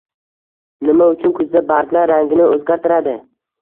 Nima uchun kuzda barglar rangini o‘zgartiradi?